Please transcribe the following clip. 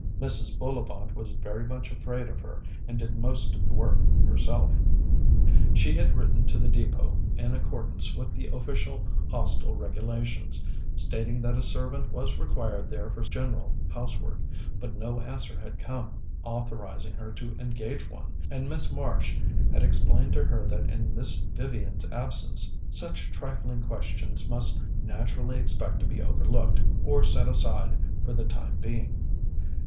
Mrs. Bullivant was very much afraid of her, and did most of the work herself. She had written to the Depôt in accordance with the official Hostel regulations, stating that a servant was required there for general housework; but no answer had come authorizing her to engage one, and Miss Marsh had explained to her that in Miss Vivian's absence such trifling questions must naturally expect to be overlooked or set aside for the time being.